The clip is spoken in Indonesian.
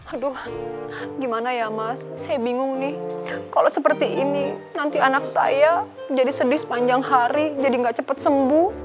aduh gimana ya mas saya bingung nih kalau seperti ini nanti anak saya jadi sedih sepanjang hari jadi gak cepet sembuh